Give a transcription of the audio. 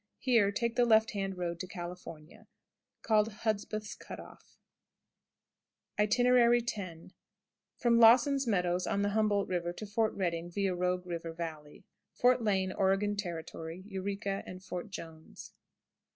Here take the left hand road to California, called Hudspeth's Cut off. X. _From Lawson's Meadows, on the Humboldt River, to Fort Reading, via Rogue River Valley, Fort Lane, Oregon Territory, Yreka, and Fort Jones._ Miles.